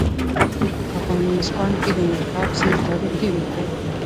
په افغانستان کې د مورغاب سیند تاریخ ډېر اوږد دی.